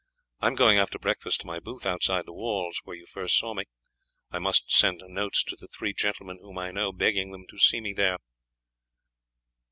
I am going after breakfast to my booth outside the walls, where you first saw me. I must send notes to the three gentlemen whom I know, begging them to see me there."